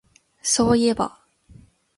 そういえば